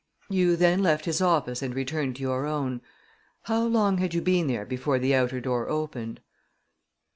"You then left his office and returned to your own. How long had you been there before the outer door opened?"